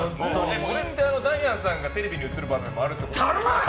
これってダイアンさんがテレビに映る場面もあるわ！